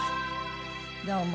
どうも。